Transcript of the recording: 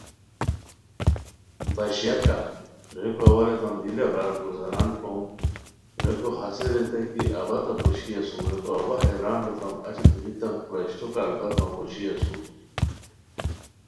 باشییاکہ؟ ریکو اوا ریتام دی لہ برار گزاران کوم ریکو ہسے ریتائے کی اوا تہ پوشی اسوم ریکو اوا حیران ہوتام اچی دونیتام کورا اشٹوکہ البت مہ پوشی اسور